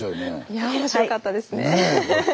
いや面白かったですね。